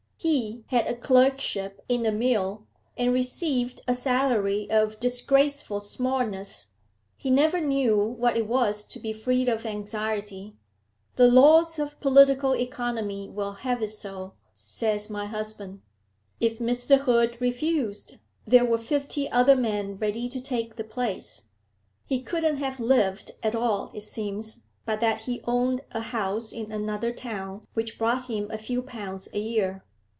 He had a clerkship in a mill, and received a salary of disgraceful smallness; he never knew what it was to be free of anxiety. The laws of political economy will have it so, says my husband; if Mr. Hood refused, there were fifty other men ready to take the place. He couldn't have lived at all, it seems, but that he owned a house in another town, which brought him a few pounds a year.